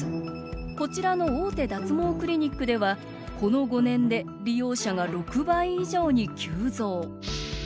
こちらの大手脱毛クリニックではこの５年で利用者が６倍以上に急増。